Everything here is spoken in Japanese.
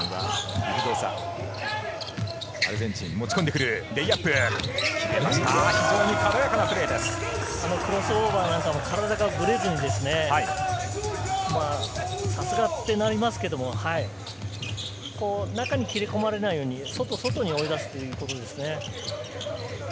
このクロスオーバーなんかも体がブレずにね、さすがってなりますけど、中に切れ込まれないように外に追い出すということですね。